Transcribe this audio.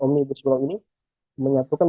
omni ibu sekelomp ini menyatukan